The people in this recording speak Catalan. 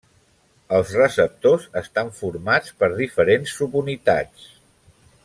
Els receptors estan formats per diferents subunitats.